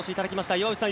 岩渕さん